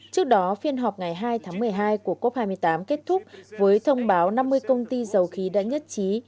trước đó phiên họp ngày hai tháng một mươi hai của cop hai mươi tám kết thúc với thông báo năm mươi công ty dầu khí đã nhất trí